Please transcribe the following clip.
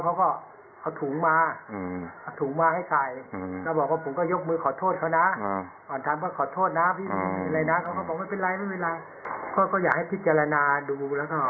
เขาก็อยากให้พิจารณาดูแล้วก็เหนื่อยใจสำรวจทำงานบ้างครับ